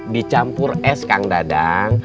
dicampur es kak dadang